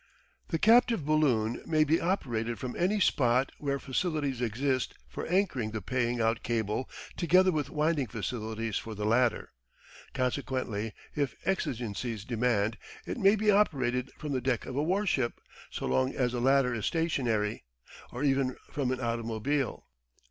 The captive balloon may be operated from any spot where facilities exist for anchoring the paying out cable together with winding facilities for the latter. Consequently, if exigencies demand, it maybe operated from the deck of a warship so long as the latter is stationary, or even from an automobile.